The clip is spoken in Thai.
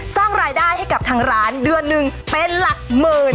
สร้างรายได้ให้กับทางร้านเดือนหนึ่งเป็นหลักหมื่น